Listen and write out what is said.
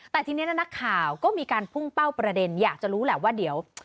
แต่ทีนี้นักข่าวก็มีการพุ่งเป้าประเด็นอยากจะรู้แหละว่าเดี๋ยว